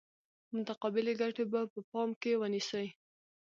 متقابلې ګټې به په پام کې ونیسي.